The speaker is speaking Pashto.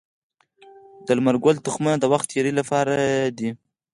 د لمر ګل تخمونه د وخت تیري لپاره دي.